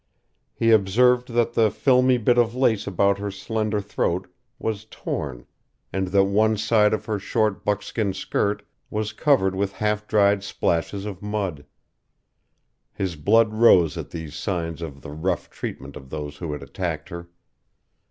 He observed that the filmy bit of lace about her slender throat was torn, and that one side of her short buckskin skirt was covered with half dried splashes of mud. His blood rose at these signs of the rough treatment of those who had attacked her.